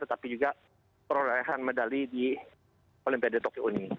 tetapi juga perraian medali di olimpiade tokyo uni